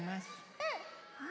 うん。